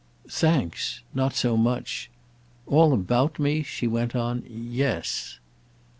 "Thanks—not so much. 'All about' me," she went on—"yes."